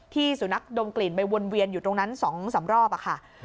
สุนัขดมกลิ่นไปวนเวียนอยู่ตรงนั้น๒๓รอบค่ะ